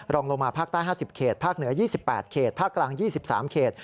รองลงมาภาคใต้๕๐เขตภาคเหนือ๒๘เขตภาคกลาง๒๓เขต